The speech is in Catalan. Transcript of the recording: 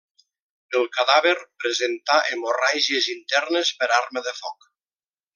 El cadàver presentà hemorràgies internes per arma de foc.